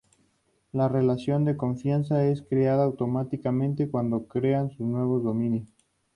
La relación de confianza es creada automáticamente cuando se crean nuevos dominios.